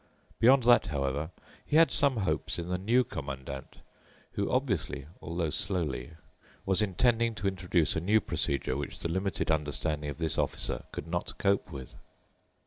Beyond that, however, he had some hopes in the New Commandant, who obviously, although slowly, was intending to introduce a new procedure which the limited understanding of this Officer could not cope with.